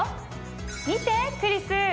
見てクリス！